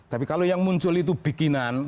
tapi kalau yang muncul itu bikinan